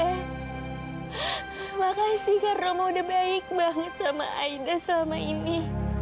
terima kasih karena oma sudah baik banget dengan aida selama ini